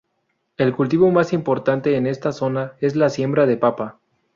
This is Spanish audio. El cultivo más importante en esta zona es la siembra de papa.